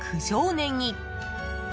ねぎ。